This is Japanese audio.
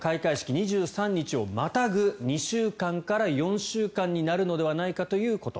２３日をまたぐ２週間から４週間になるのではとのこと。